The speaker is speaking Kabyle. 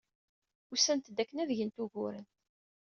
Usant-d akken ad d-gent uguren.